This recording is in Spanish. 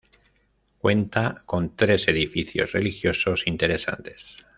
Cuenta con tres edificios religiosos interesantes.